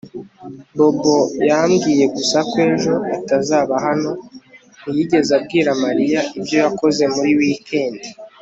Bobo yambwiye gusa ko ejo atazaba hano ntiyigeze abwira Mariya ibyo yakoze muri wikendi